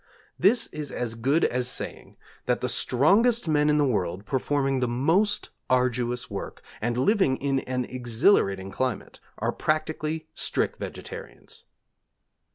This is as good as saying that the strongest men in the world, performing the most arduous work, and living in an exhilarating climate, are practically strict vegetarians.